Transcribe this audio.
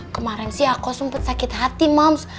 kemarin sih aku sempet sakit hati moms